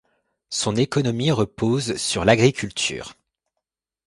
Son économie repose sur l'agriculture.